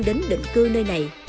đến định cư nơi này